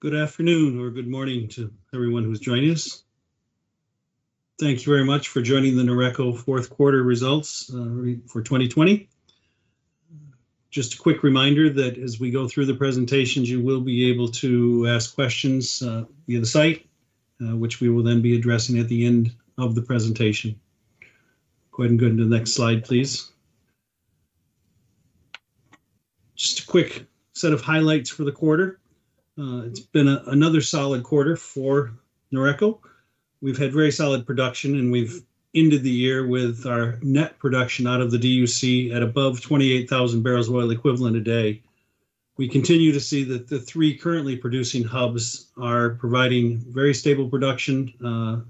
Good afternoon or good morning to everyone who's joining us. Thank you very much for joining the Noreco fourth quarter results for 2020. Just a quick reminder that as we go through the presentations, you will be able to ask questions via the site, which we will then be addressing at the end of the presentation. Go ahead and go to the next slide, please. Just a quick set of highlights for the quarter. It's been another solid quarter for Noreco. We've had very solid production, and we've ended the year with our net production out of the DUC at above 28,000 bbl of oil equivalent a day. We continue to see that the three currently producing hubs are providing very stable production,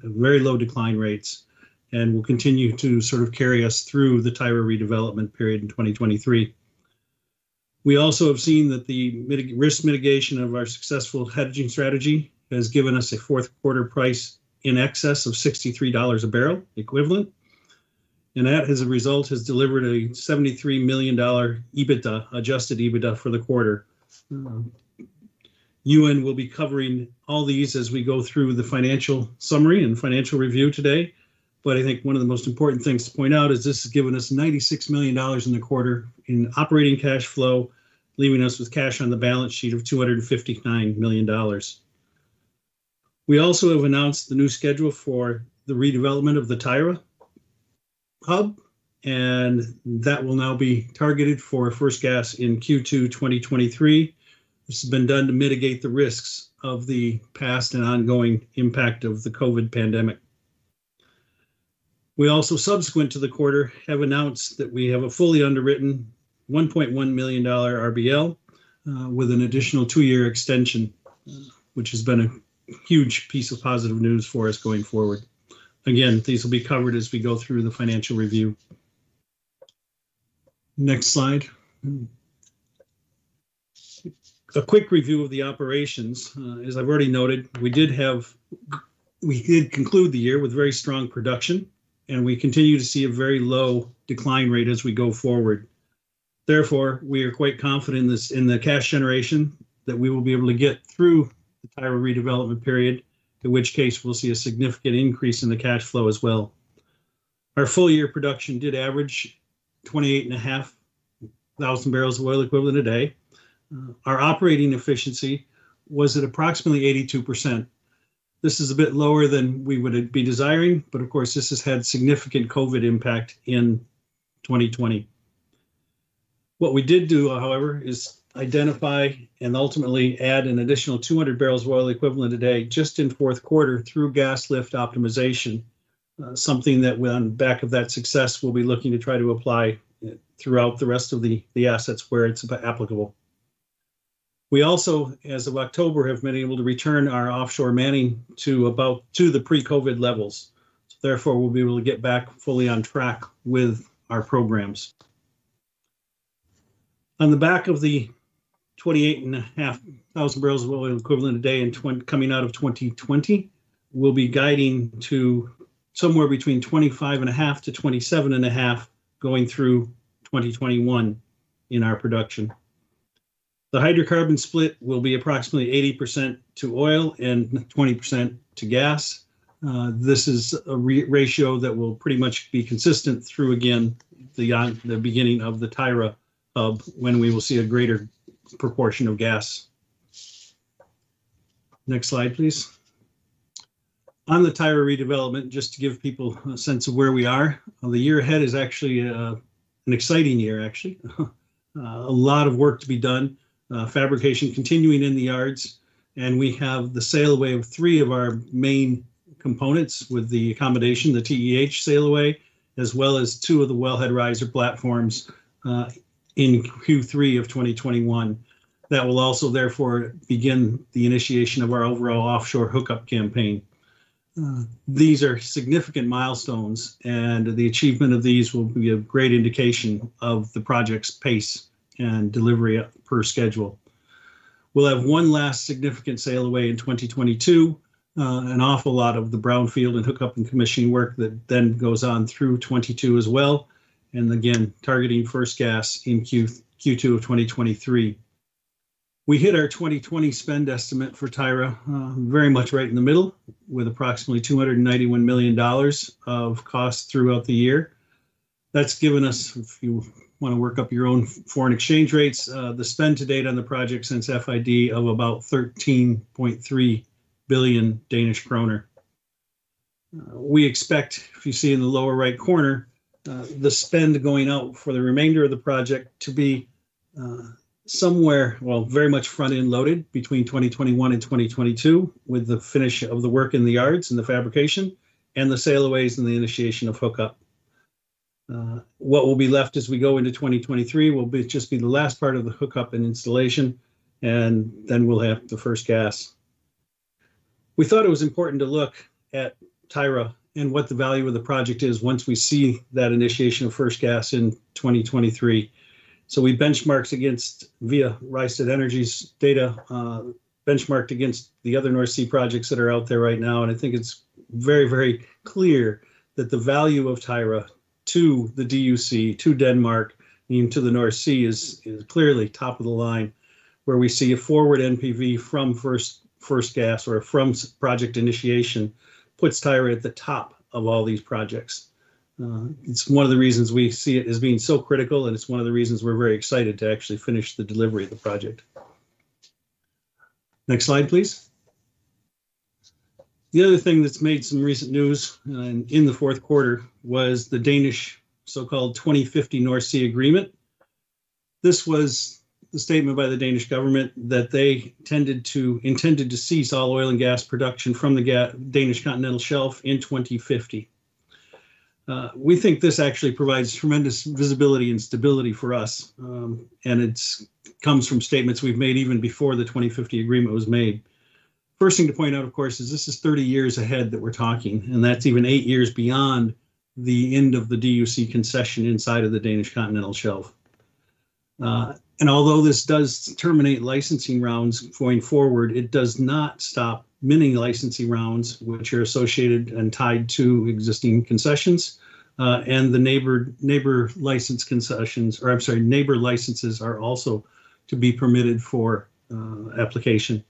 very low decline rates, and will continue to sort of carry us through the Tyra redevelopment period in 2023. We also have seen that the risk mitigation of our successful hedging strategy has given us a fourth quarter price in excess of $63 a bbl equivalent. That, as a result, has delivered a $73 million EBITDA, adjusted EBITDA for the quarter. Euan will be covering all these as we go through the financial summary and financial review today. I think one of the most important things to point out is this has given us $96 million in the quarter in operating cash flow, leaving us with cash on the balance sheet of $259 million. We also have announced the new schedule for the redevelopment of the Tyra hub, and that will now be targeted for first gas in Q2 2023. This has been done to mitigate the risks of the past and ongoing impact of the COVID pandemic. We also, subsequent to the quarter, have announced that we have a fully underwritten $1.1 million RBL with an additional two-year extension, which has been a huge piece of positive news for us going forward. These will be covered as we go through the financial review. Next slide. A quick review of the operations. As I've already noted, we did conclude the year with very strong production, and we continue to see a very low decline rate as we go forward. Therefore, we are quite confident in the cash generation that we will be able to get through the Tyra redevelopment period, in which case, we'll see a significant increase in the cash flow as well. Our full year production did average 28,500 bbl of oil equivalent a day. Our operating efficiency was at approximately 82%. This is a bit lower than we would be desiring, of course, this has had significant COVID impact in 2020. What we did do, however, is identify and ultimately add an additional 200 bbl of oil equivalent a day just in the fourth quarter through gas lift optimization. Something that, on the back of that success, we'll be looking to try to apply throughout the rest of the assets where it's applicable. We also, as of October, have been able to return our offshore manning to the pre-COVID levels. Therefore, we'll be able to get back fully on track with our programs. On the back of the 28,500 bbl of oil equivalent a day coming out of 2020, we'll be guiding to somewhere between 25.5-27.5 going through 2021 in our production. The hydrocarbon split will be approximately 80% to oil and 20% to gas. This is a ratio that will pretty much be consistent through, again, the beginning of the Tyra hub, when we will see a greater proportion of gas. Next slide, please. On the Tyra redevelopment, just to give people a sense of where we are, the year ahead is an exciting year, actually. A lot of work to be done. Fabrication continuing in the yards, and we have the sail away of three of our main components with the accommodation, the TEH sail away, as well as two of the wellhead riser platforms in Q3 of 2021. That will also therefore begin the initiation of our overall offshore hookup campaign. These are significant milestones, and the achievement of these will be a great indication of the project's pace and delivery per schedule. We'll have one last significant sail away in 2022. An awful lot of the brownfield and hookup and commissioning work that then goes on through 2022 as well. Again, targeting first gas in Q2 of 2023. We hit our 2020 spend estimate for Tyra very much right in the middle, with approximately $291 million of cost throughout the year. That's given us, if you want to work up your own foreign exchange rates, the spend to date on the project since FID of about 13.3 billion Danish kroner. We expect, if you see in the lower right corner, the spend going out for the remainder of the project to be very much front-end loaded between 2021 and 2022, with the finish of the work in the yards and the fabrication, and the sail aways and the initiation of hookup. What will be left as we go into 2023 will just be the last part of the hookup and installation, and then we'll have the first gas. We thought it was important to look at Tyra and what the value of the project is once we see that initiation of first gas in 2023. We benchmarked against, via Rystad Energy's data, benchmarked against the other North Sea projects that are out there right now, and I think it's very, very clear that the value of Tyra to the DUC, to Denmark, and to the North Sea is clearly top of the line, where we see a forward NPV from first gas or from project initiation puts Tyra at the top of all these projects. It's one of the reasons we see it as being so critical, and it's one of the reasons we're very excited to actually finish the delivery of the project. Next slide, please. The other thing that's made some recent news in the fourth quarter was the Danish so-called 2050 North Sea Agreement. This was the statement by the Danish government that they intended to cease all oil and gas production from the Danish continental shelf in 2050. We think this actually provides tremendous visibility and stability for us, and it comes from statements we've made even before the 2050 agreement was made. First thing to point out, of course, is this is 30 years ahead that we're talking, and that's even eight years beyond the end of the DUC concession inside of the Danish continental shelf. Although this does terminate licensing rounds going forward, it does not stop many licensing rounds which are associated and tied to existing concessions, and the neighbor licenses are also to be permitted for application.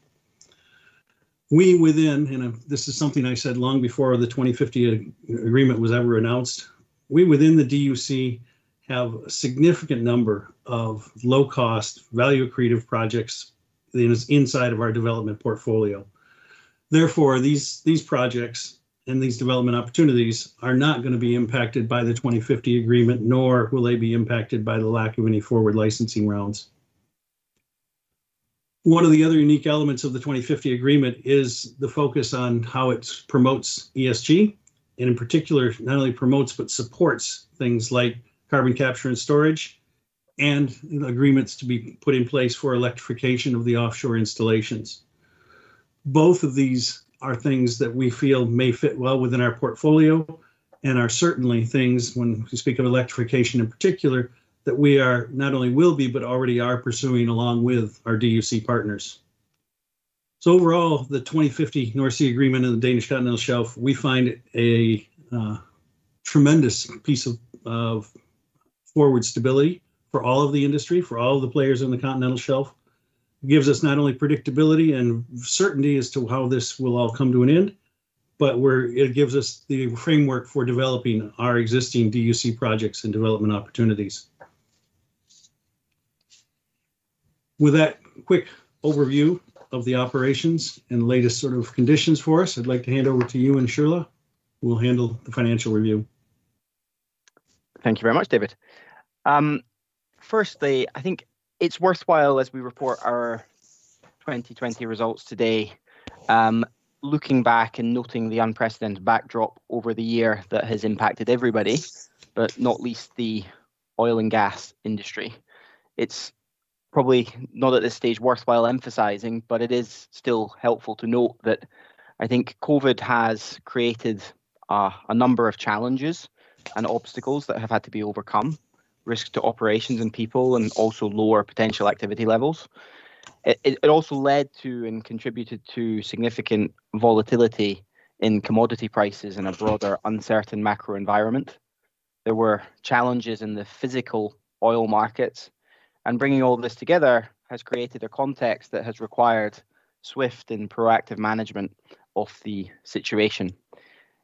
This is something I said long before the 2050 agreement was ever announced. We within the DUC have a significant number of low-cost value creative projects inside of our development portfolio. Therefore, these projects and these development opportunities are not going to be impacted by the 2050 agreement, nor will they be impacted by the lack of any forward licensing rounds. One of the other unique elements of the 2050 agreement is the focus on how it promotes ESG, and in particular, not only promotes but supports things like carbon capture and storage and agreements to be put in place for electrification of the offshore installations. Both of these are things that we feel may fit well within our portfolio and are certainly things, when you speak of electrification in particular, that we are not only will be, but already are pursuing along with our DUC partners. Overall, the 2050 North Sea Agreement and the Danish continental shelf, we find a tremendous piece of forward stability for all of the industry, for all of the players on the continental shelf. Gives us not only predictability and certainty as to how this will all come to an end, but it gives us the framework for developing our existing DUC projects and development opportunities. With that quick overview of the operations and latest sort of conditions for us, I'd like to hand over to Euan Shirlaw, who will handle the financial review. Thank you very much, David. I think it's worthwhile as we report our 2020 results today, looking back and noting the unprecedented backdrop over the year that has impacted everybody, but not least the oil and gas industry. It's probably not at this stage worthwhile emphasizing, but it is still helpful to note that I think COVID has created a number of challenges and obstacles that have had to be overcome, risks to operations and people, and also lower potential activity levels. It also led to and contributed to significant volatility in commodity prices in a broader uncertain macro environment. There were challenges in the physical oil markets, bringing all this together has created a context that has required swift and proactive management of the situation.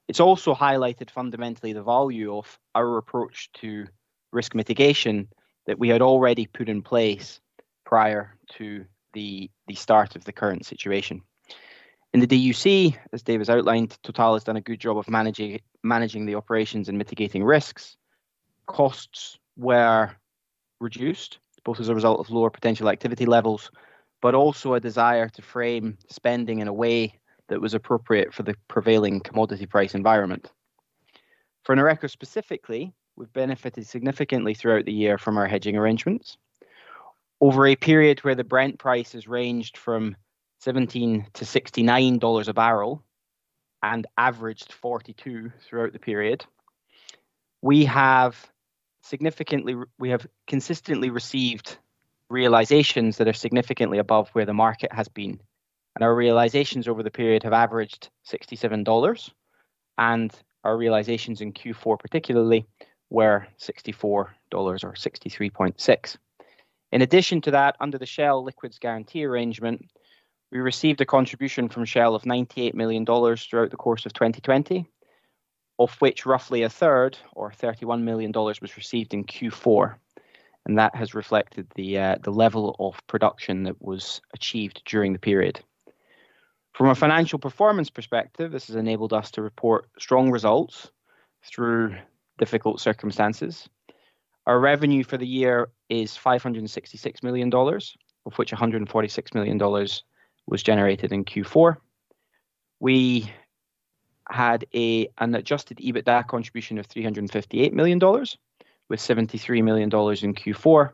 It's also highlighted fundamentally the value of our approach to risk mitigation that we had already put in place prior to the start of the current situation. In the DUC, as David's outlined, Total has done a good job of managing the operations and mitigating risks. Costs were reduced, both as a result of lower potential activity levels, also a desire to frame spending in a way that was appropriate for the prevailing commodity price environment. For Noreco specifically, we've benefited significantly throughout the year from our hedging arrangements. Over a period where the Brent price has ranged from $17-$69 a barrel averaged $42 throughout the period, we have consistently received realizations that are significantly above where the market has been. Our realizations over the period have averaged $67. Our realizations in Q4 particularly were $64 or $63.6. In addition to that, under the Shell liquids guarantee arrangement, we received a contribution from Shell of $98 million throughout the course of 2020, of which roughly a third or $31 million was received in Q4, and that has reflected the level of production that was achieved during the period. From a financial performance perspective, this has enabled us to report strong results through difficult circumstances. Our revenue for the year is $566 million, of which $146 million was generated in Q4. We had an adjusted EBITDA contribution of $358 million, with $73 million in Q4,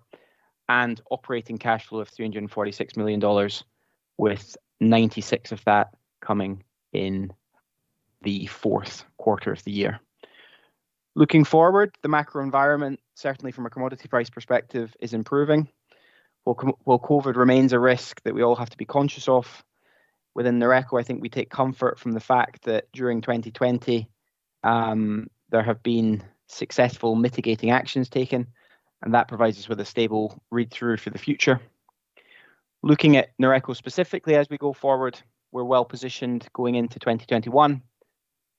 and operating cash flow of $346 million, with $96 million of that coming in the fourth quarter of the year. Looking forward, the macro environment, certainly from a commodity price perspective, is improving. While COVID remains a risk that we all have to be conscious of, within Noreco, I think we take comfort from the fact that during 2020, there have been successful mitigating actions taken. That provides us with a stable read-through for the future. Looking at Noreco specifically as we go forward, we're well-positioned going into 2021.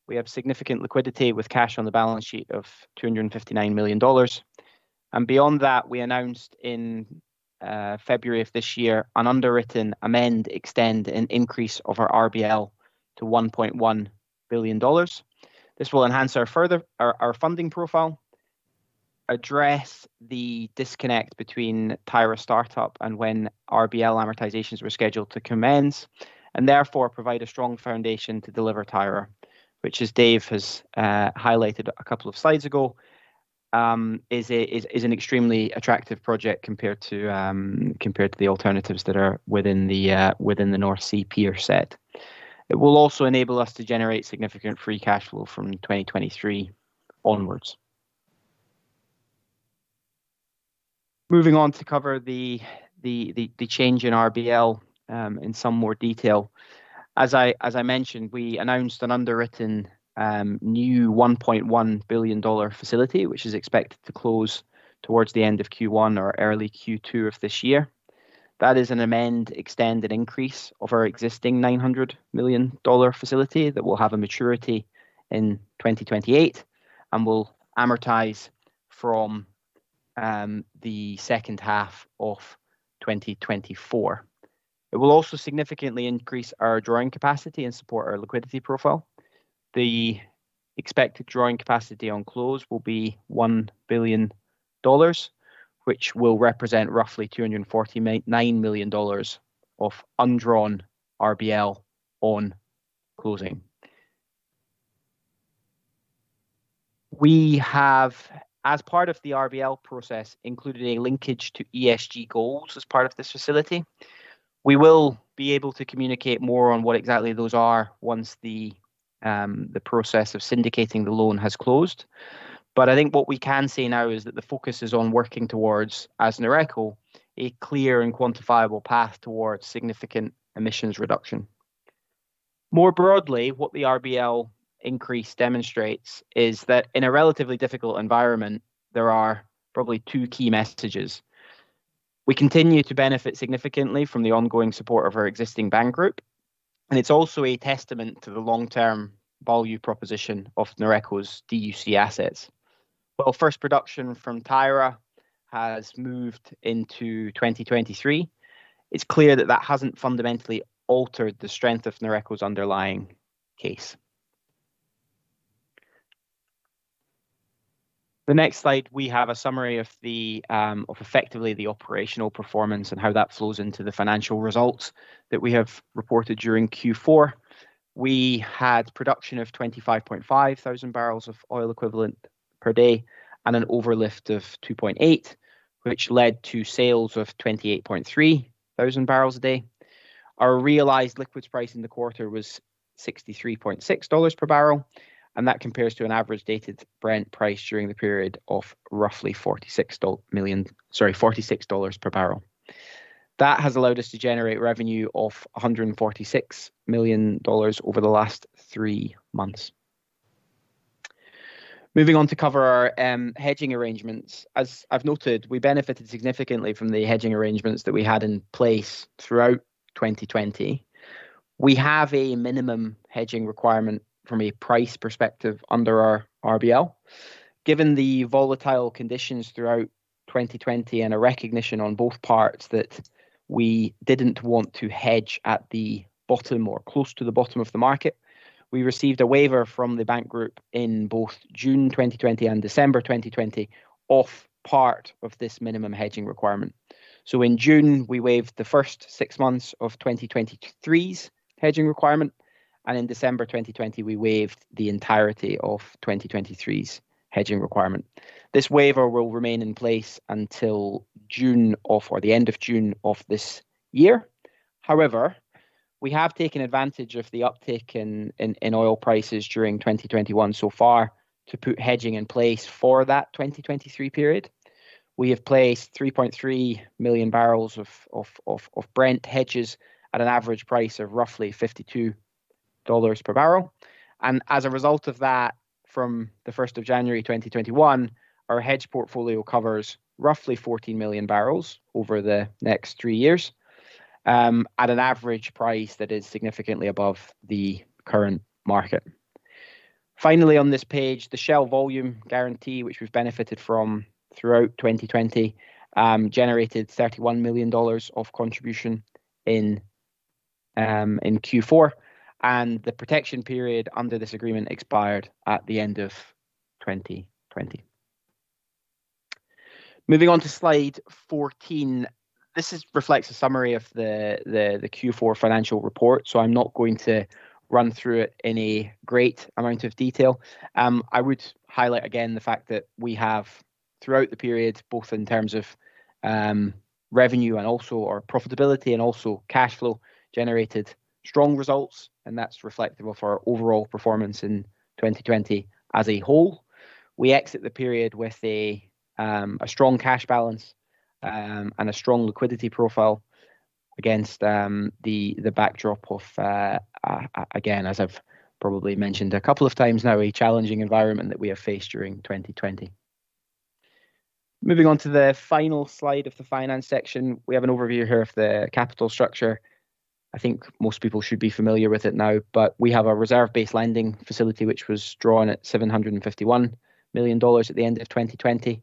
We have significant liquidity with cash on the balance sheet of $259 million. Beyond that, we announced in February of this year an underwritten amend, extend, and increase of our RBL to $1.1 billion. This will enhance our funding profile, address the disconnect between Tyra startup and when RBL amortizations were scheduled to commence, and therefore provide a strong foundation to deliver Tyra. Which, as David has highlighted a couple of slides ago, is an extremely attractive project compared to the alternatives that are within the North Sea peer set. It will also enable us to generate significant free cash flow from 2023 onwards. Moving on to cover the change in RBL in some more detail. As I mentioned, we announced an underwritten new $1.1 billion facility, which is expected to close towards the end of Q1 or early Q2 of this year. That is an amend, extend, and increase of our existing $900 million facility that will have a maturity in 2028 and will amortize from the second half of 2024. It will also significantly increase our drawing capacity and support our liquidity profile. The expected drawing capacity on close will be $1 billion, which will represent roughly $249 million of undrawn RBL on closing. We have, as part of the RBL process, included a linkage to ESG goals as part of this facility. We will be able to communicate more on what exactly those are once the process of syndicating the loan has closed. I think what we can say now is that the focus is on working towards, as Noreco, a clear and quantifiable path towards significant emissions reduction. More broadly, what the RBL increase demonstrates is that in a relatively difficult environment, there are probably two key messages. We continue to benefit significantly from the ongoing support of our existing bank group, and it's also a testament to the long-term value proposition of Noreco's DUC assets. While first production from Tyra has moved into 2023, it's clear that that hasn't fundamentally altered the strength of Noreco's underlying case. The next slide, we have a summary of effectively the operational performance and how that flows into the financial results that we have reported during Q4. We had production of 25.5 thousand barrels of oil equivalent per day and an overlift of 2.8, which led to sales of 28.3 thousand barrels a day. Our realized liquids price in the quarter was $63.60 per barrel. That compares to an average dated Brent price during the period of roughly $46 per barrel. That has allowed us to generate revenue of $146 million over the last three months. Moving on to cover our hedging arrangements. As I've noted, we benefited significantly from the hedging arrangements that we had in place throughout 2020. We have a minimum hedging requirement from a price perspective under our RBL. Given the volatile conditions throughout 2020 and a recognition on both parts that we didn't want to hedge at the bottom or close to the bottom of the market, we received a waiver from the bank group in both June 2020 and December 2020 of part of this minimum hedging requirement. In June, we waived the first six months of 2023's hedging requirement, and in December 2020, we waived the entirety of 2023's hedging requirement. This waiver will remain in place until the end of June of this year. However, we have taken advantage of the uptick in oil prices during 2021 so far to put hedging in place for that 2023 period. We have placed 3.3 million barrels of Brent hedges at an average price of roughly $52 per bbl. As a result of that, from the 1st of January 2021, our hedge portfolio covers roughly 14 million barrels over the next three years at an average price that is significantly above the current market. Finally, on this page, the Shell volume guarantee, which we've benefited from throughout 2020, generated $31 million of contribution in Q4, and the protection period under this agreement expired at the end of 2020. Moving on to slide 14. This reflects a summary of the Q4 financial report, I'm not going to run through it in a great amount of detail. I would highlight again the fact that we have, throughout the period, both in terms of revenue and also our profitability and also cash flow, generated strong results. That's reflective of our overall performance in 2020 as a whole. We exit the period with a strong cash balance and a strong liquidity profile against the backdrop of, again, as I've probably mentioned a couple of times now, a challenging environment that we have faced during 2020. Moving on to the final slide of the finance section, we have an overview here of the capital structure. I think most people should be familiar with it now, but we have a reserve-based lending facility, which was drawn at $751 million at the end of 2020.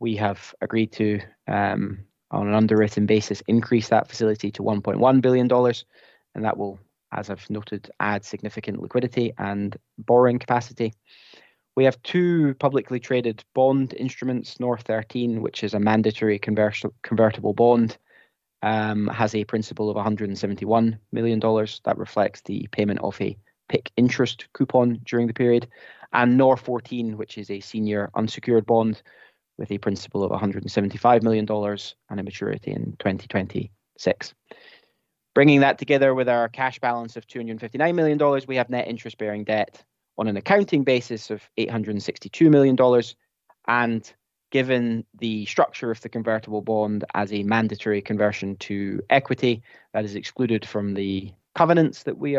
We have agreed to, on an underwritten basis, increase that facility to $1.1 billion, and that will, as I've noted, add significant liquidity and borrowing capacity. We have two publicly traded bond instruments, NOR13, which is a mandatory convertible bond, has a principal of $171 million. That reflects the payment of a PIK interest coupon during the period. NOR14, which is a senior unsecured bond with a principal of $175 million and a maturity in 2026. Bringing that together with our cash balance of $259 million, we have net interest-bearing debt on an accounting basis of $862 million. Given the structure of the convertible bond as a mandatory conversion to equity, that is excluded from the covenants that we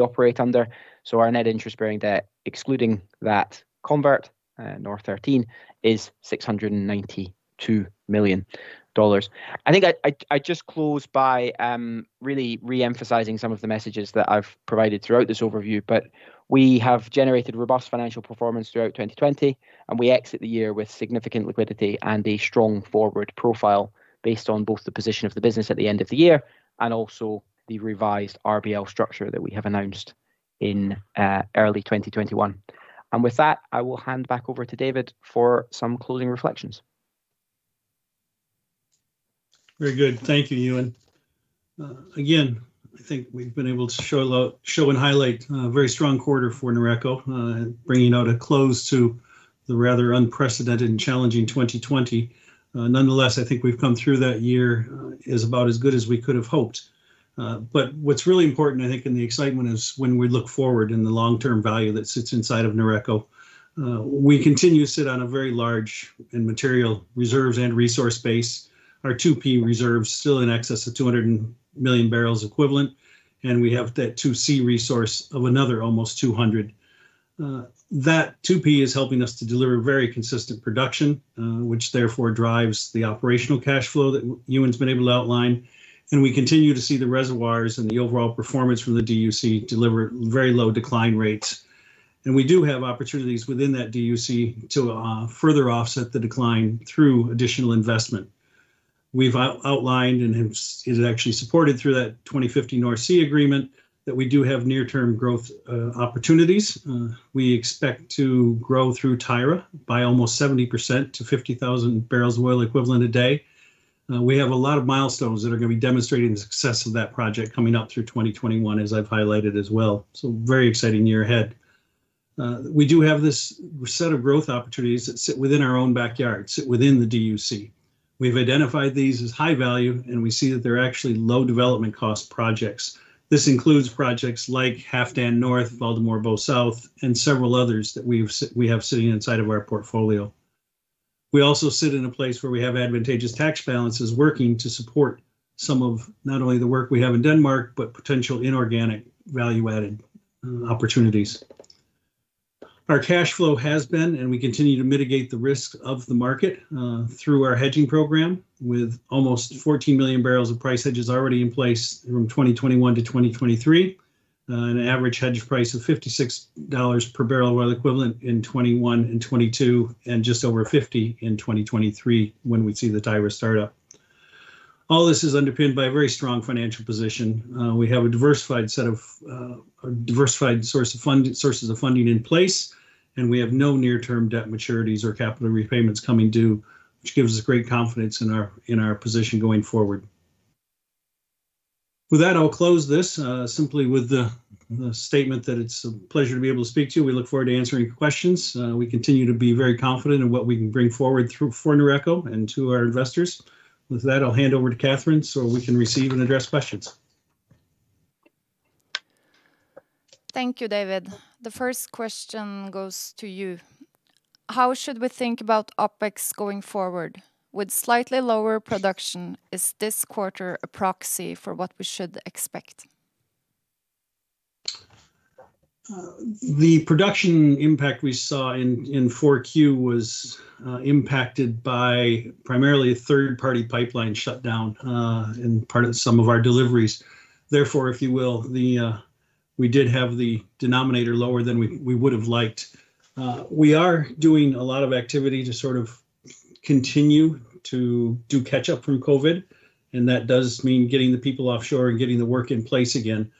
operate under. Our net interest-bearing debt, excluding that convert, NOR13, is $692 million. I think I just close by really re-emphasizing some of the messages that I've provided throughout this overview. We have generated robust financial performance throughout 2020, and we exit the year with significant liquidity and a strong forward profile based on both the position of the business at the end of the year and also the revised RBL structure that we have announced in early 2021. With that, I will hand back over to David for some closing reflections. Very good. Thank you, Euan. Again, I think we've been able to show and highlight a very strong quarter for Noreco, bringing out a close to the rather unprecedented and challenging 2020. Nonetheless, I think we've come through that year as about as good as we could have hoped. What's really important, I think, in the excitement is when we look forward in the long-term value that sits inside of Noreco. We continue to sit on a very large and material reserves and resource base. Our 2P reserves still in excess of 200 million barrels equivalent, and we have that 2C resource of another almost 200 million. That 2P is helping us to deliver very consistent production, which therefore drives the operational cash flow that Euan's been able to outline, and we continue to see the reservoirs and the overall performance from the DUC deliver very low decline rates. We do have opportunities within that DUC to further offset the decline through additional investment. We've outlined and is actually supported through that 2050 North Sea Agreement that we do have near-term growth opportunities. We expect to grow through Tyra by almost 70% to 50,000 bbl of oil equivalent a day. We have a lot of milestones that are going to be demonstrating the success of that project coming up through 2021, as I've highlighted as well. Very exciting year ahead. We do have this set of growth opportunities that sit within our own backyard, sit within the DUC. We've identified these as high value, and we see that they're actually low development cost projects. This includes projects like Halfdan North, Valdemar Bo South, and several others that we have sitting inside of our portfolio. We also sit in a place where we have advantageous tax balances working to support some of not only the work we have in Denmark, but potential inorganic value-added opportunities. Our cash flow has been, and we continue to mitigate the risk of the market, through our hedging program with almost 14 million barrels of price hedges already in place from 2021 to 2023. An average hedge price of $56 per barrel oil equivalent in 2021 and 2022, and just over $50 in 2023 when we see the Tyra start up. All this is underpinned by a very strong financial position. We have a diversified source of funding in place, and we have no near-term debt maturities or capital repayments coming due, which gives us great confidence in our position going forward. With that, I'll close this simply with the statement that it's a pleasure to be able to speak to you. We look forward to answering your questions. We continue to be very confident in what we can bring forward for Noreco and to our investors. With that, I'll hand over to Cathrine so we can receive and address questions. Thank you, David. The first question goes to you. How should we think about OpEx going forward? With slightly lower production, is this quarter a proxy for what we should expect? The production impact we saw in Q4 was impacted by primarily a third-party pipeline shutdown in some of our deliveries. If you will, we did have the denominator lower than we would have liked. We are doing a lot of activity to sort of continue to do catch-up from COVID, and that does mean getting the people offshore and getting the work in place again.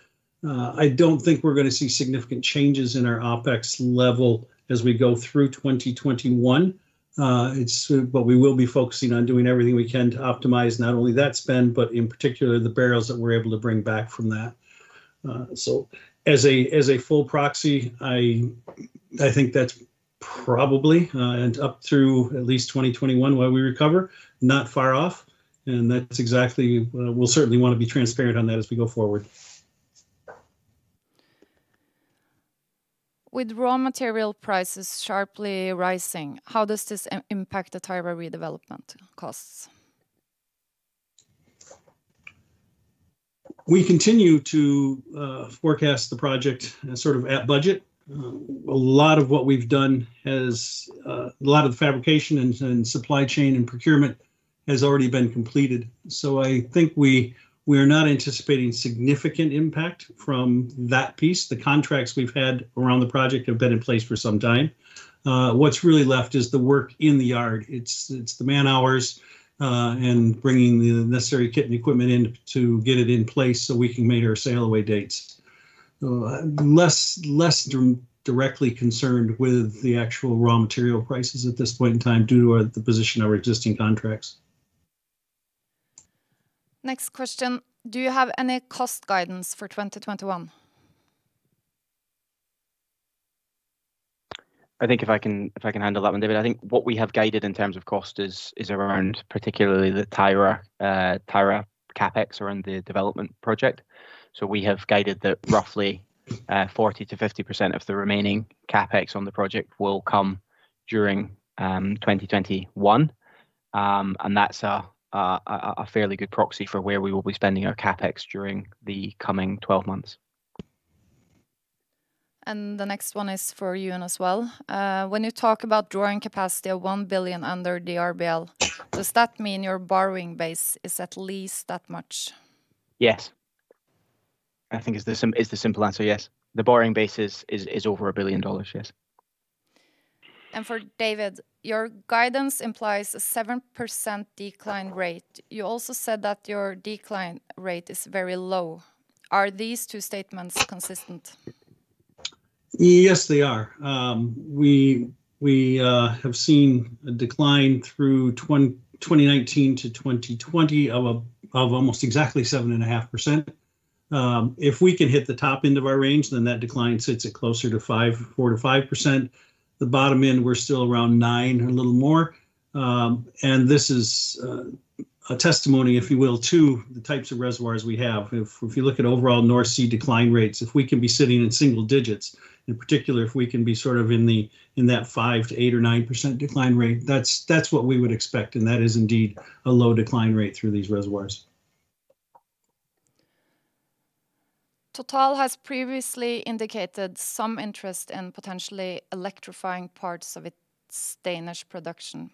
I don't think we're going to see significant changes in our OpEx level as we go through 2021. We will be focusing on doing everything we can to optimize not only that spend, but in particular, the barrels that we're able to bring back from that. As a full proxy, I think that's probably, and up through at least 2021 while we recover, not far off, and we'll certainly want to be transparent on that as we go forward. With raw material prices sharply rising, how does this impact the Tyra redevelopment costs? We continue to forecast the project sort of at budget. A lot of the fabrication and supply chain and procurement has already been completed. I think we are not anticipating significant impact from that piece. The contracts we've had around the project have been in place for some time. What's really left is the work in the yard. It's the man-hours, and bringing the necessary kit and equipment in to get it in place so we can make our sail away dates. Less directly concerned with the actual raw material prices at this point in time due to the position of our existing contracts. Next question, do you have any cost guidance for 2021? I think if I can handle that one, David. I think what we have guided in terms of cost is around particularly the Tyra CapEx around the development project. We have guided that roughly 40%-50% of the remaining CapEx on the project will come during 2021. That's a fairly good proxy for where we will be spending our CapEx during the coming 12 months. The next one is for Euan as well. When you talk about drawing capacity of $1 billion under the RBL, does that mean your borrowing base is at least that much? Yes. I think is the simple answer, yes. The borrowing base is over $1 billion, yes. For David, your guidance implies a 7% decline rate. You also said that your decline rate is very low. Are these two statements consistent? Yes, they are. We have seen a decline through 2019 to 2020 of almost exactly 7.5%. If we can hit the top end of our range, then that decline sits at closer to 4%-5%. The bottom end, we're still around nine, a little more. This is a testimony, if you will, to the types of reservoirs we have. If you look at overall North Sea decline rates, if we can be sitting in single digits, in particular if we can be sort of in that 5%-8% or 9% decline rate, that's what we would expect, and that is indeed a low decline rate through these reservoirs. Total has previously indicated some interest in potentially electrifying parts of its Danish production,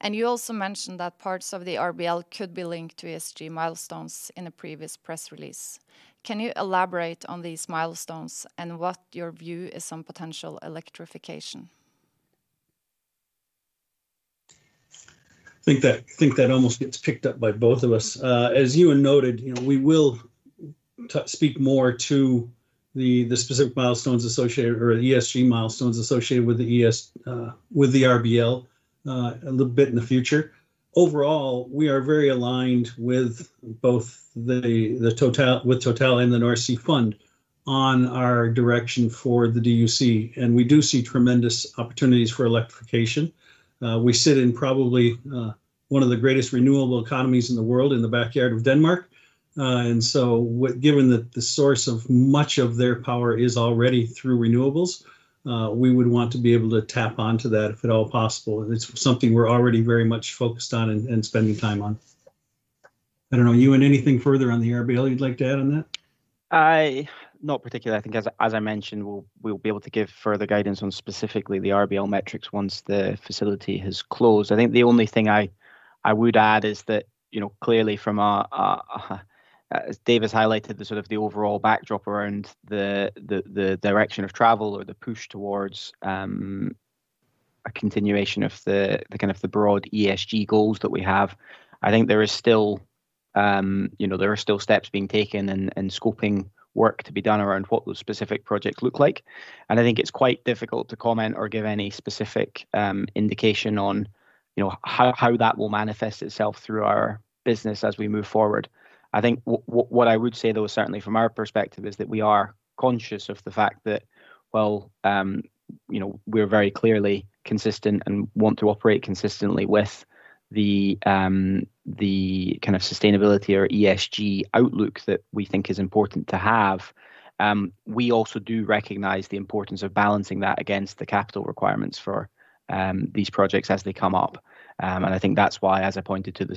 and you also mentioned that parts of the RBL could be linked to ESG milestones in a previous press release. Can you elaborate on these milestones and what your view is on potential electrification? I think that almost gets picked up by both of us. As Euan noted, we will speak more to the specific ESG milestones associated with the RBL a little bit in the future. Overall, we are very aligned with both with Total and Nordsøfonden on our direction for the DUC, and we do see tremendous opportunities for electrification. We sit in probably one of the greatest renewable economies in the world in the backyard of Denmark. Given that the source of much of their power is already through renewables, we would want to be able to tap onto that if at all possible. It's something we're already very much focused on and spending time on. I don't know, Euan, anything further on the RBL you'd like to add on that? Not particularly. I think as I mentioned, we'll be able to give further guidance on specifically the RBL metrics once the facility has closed. I think the only thing I would add is that clearly, as David's highlighted, the sort of overall backdrop around the direction of travel or the push towards a continuation of the kind of broad ESG goals that we have, I think there are still steps being taken and scoping work to be done around what those specific projects look like. I think it's quite difficult to comment or give any specific indication on how that will manifest itself through our business as we move forward. I think what I would say, though, certainly from our perspective, is that we are conscious of the fact that while we're very clearly consistent and want to operate consistently with the kind of sustainability or ESG outlook that we think is important to have, we also do recognize the importance of balancing that against the capital requirements for these projects as they come up. I think that's why, as I pointed to the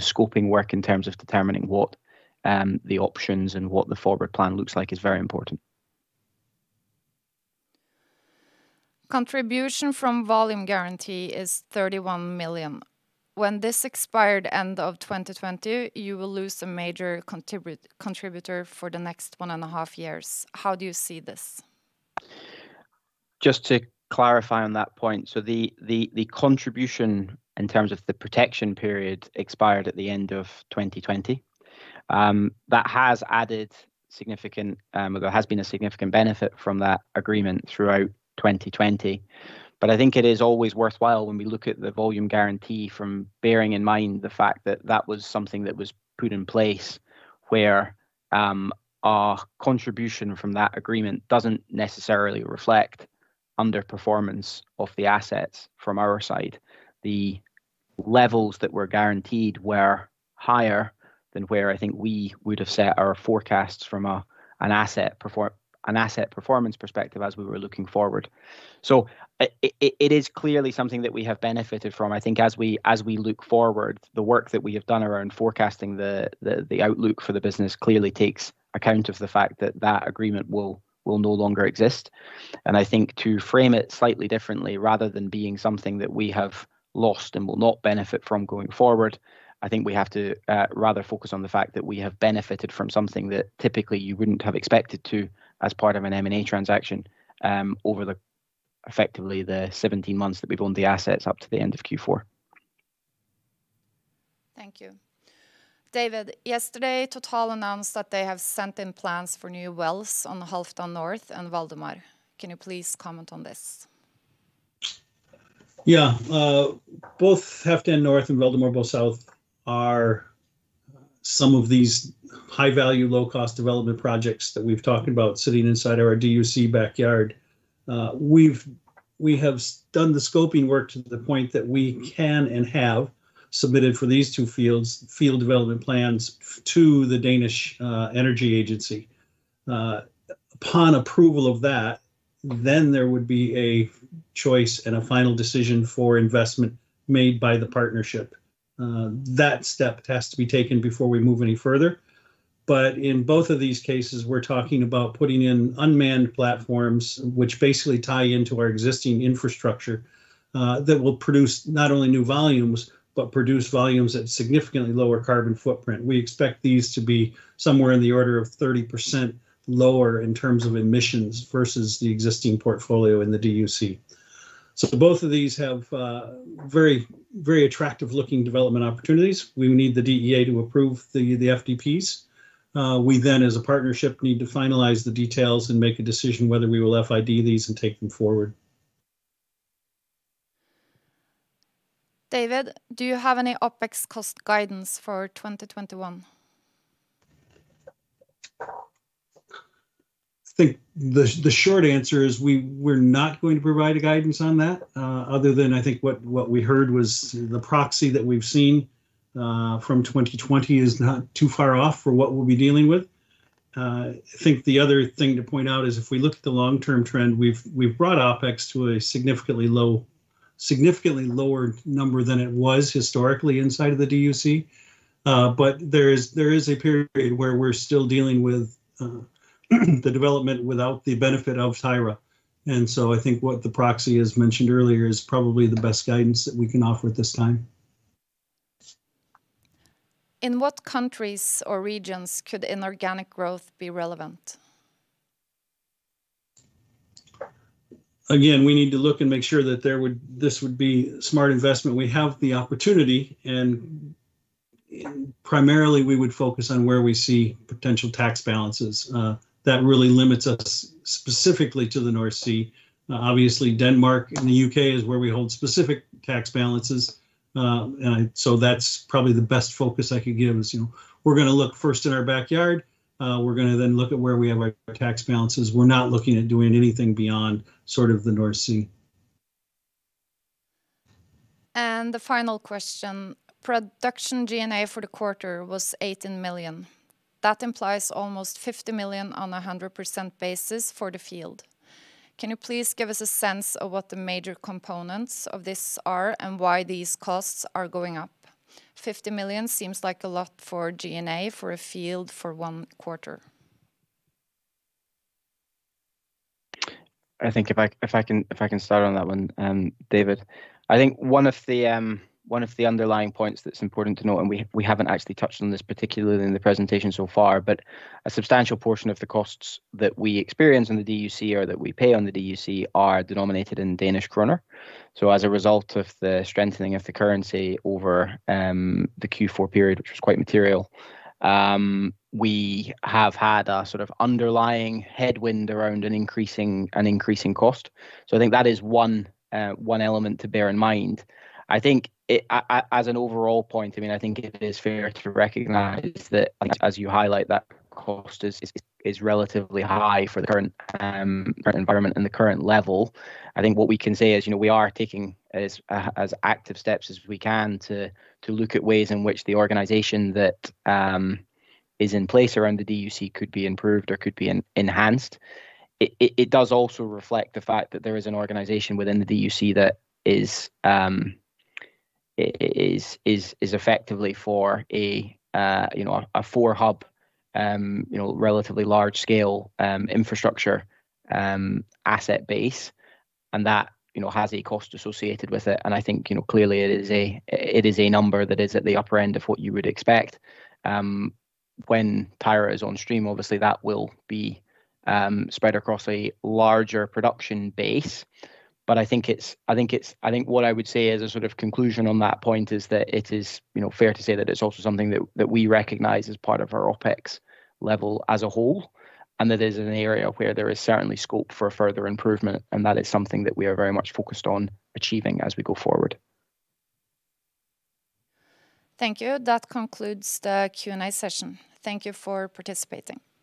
scoping work in terms of determining what the options and what the forward plan looks like is very important. Contribution from volume guarantee is $31 million. When this expired end of 2020, you will lose a major contributor for the next one and a half years. How do you see this? Just to clarify on that point, the contribution in terms of the protection period expired at the end of 2020. There has been a significant benefit from that agreement throughout 2020. I think it is always worthwhile when we look at the volume guarantee from bearing in mind the fact that that was something that was put in place where our contribution from that agreement doesn't necessarily reflect underperformance of the assets from our side. The levels that were guaranteed were higher than where I think we would have set our forecasts from an asset performance perspective as we were looking forward. It is clearly something that we have benefited from. I think as we look forward, the work that we have done around forecasting the outlook for the business clearly takes account of the fact that that agreement will no longer exist. I think to frame it slightly differently, rather than being something that we have lost and will not benefit from going forward, I think we have to rather focus on the fact that we have benefited from something that typically you wouldn't have expected to as part of an M&A transaction over the effectively the 17 months that we've owned the assets up to the end of Q4. Thank you. David, yesterday Total announced that they have sent in plans for new wells on the Halfdan North and Valdemar. Can you please comment on this? Yeah. Both Halfdan North and Valdemar South are some of these high-value, low-cost development projects that we've talked about sitting inside our DUC backyard. We have done the scoping work to the point that we can and have submitted for these two field development plans to the Danish Energy Agency. Upon approval of that, there would be a choice and a final decision for investment made by the partnership. That step has to be taken before we move any further. In both of these cases, we're talking about putting in unmanned platforms, which basically tie into our existing infrastructure, that will produce not only new volumes, but produce volumes at significantly lower carbon footprint. We expect these to be somewhere in the order of 30% lower in terms of emissions versus the existing portfolio in the DUC. Both of these have very attractive-looking development opportunities. We need the DEA to approve the FDPs. We then, as a partnership, need to finalize the details and make a decision whether we will FID these and take them forward. David, do you have any OpEx cost guidance for 2021? I think the short answer is we're not going to provide a guidance on that. I think what we heard was the proxy that we've seen from 2020 is not too far off for what we'll be dealing with. I think the other thing to point out is if we look at the long-term trend, we've brought OpEx to a significantly lower number than it was historically inside of the DUC. There is a period where we're still dealing with the development without the benefit of Tyra. I think what the proxy has mentioned earlier is probably the best guidance that we can offer at this time. In what countries or regions could inorganic growth be relevant? Again, we need to look and make sure that this would be smart investment. We have the opportunity, and primarily, we would focus on where we see potential tax balances. That really limits us specifically to the North Sea. Obviously, Denmark and the U.K. is where we hold specific tax balances. That's probably the best focus I could give is, we're going to look first in our backyard. We're going to then look at where we have our tax balances. We're not looking at doing anything beyond sort of the North Sea. The final question. Production GNA for the quarter was 18 million. That implies almost 50 million on 100% basis for the field. Can you please give us a sense of what the major components of this are and why these costs are going up? 50 million seems like a lot for GNA for a field for one quarter. I think if I can start on that one, David. I think one of the underlying points that's important to note, and we haven't actually touched on this particularly in the presentation so far, but a substantial portion of the costs that we experience in the DUC or that we pay on the DUC are denominated in DKK. As a result of the strengthening of the currency over the Q4 period, which was quite material, we have had a sort of underlying headwind around an increasing cost. I think that is one element to bear in mind. I think as an overall point, I think it is fair to recognize that as you highlight that cost is relatively high for the current environment and the current level. I think what we can say is we are taking as active steps as we can to look at ways in which the organization that is in place around the DUC could be improved or could be enhanced. It does also reflect the fact that there is an organization within the DUC that is effectively for a four-hub relatively large scale infrastructure asset base, and that has a cost associated with it. I think, clearly it is a number that is at the upper end of what you would expect. When Tyra is on stream, obviously that will be spread across a larger production base. I think what I would say as a sort of conclusion on that point is that it is fair to say that it's also something that we recognize as part of our OpEx level as a whole, and that is an area where there is certainly scope for further improvement, and that is something that we are very much focused on achieving as we go forward. Thank you. That concludes the Q&A session. Thank you for participating.